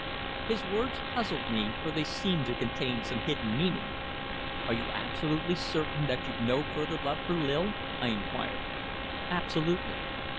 His words puzzled me, for they seemed to contain some hidden meaning. "Are you absolutely certain that you've no further love for Lil?" I inquired. "Absolutely."